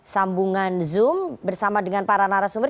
sambungan zoom bersama dengan para narasumber